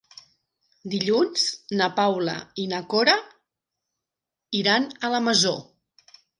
Dilluns na Paula i na Cora iran a la Masó.